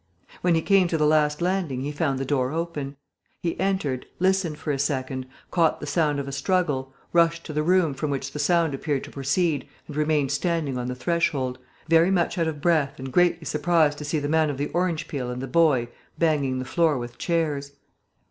When he came to the last landing he found the door open. He entered, listened for a second, caught the sound of a struggle, rushed to the room from which the sound appeared to proceed and remained standing on the threshold, very much out of breath and greatly surprised to see the man of the orange peel and the boy banging the floor with chairs.